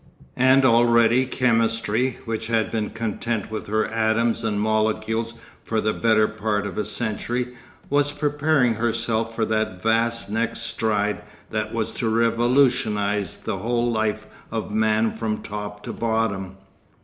And already Chemistry, which had been content with her atoms and molecules for the better part of a century, was preparing herself for that vast next stride that was to revolutionise the whole life of man from top to bottom.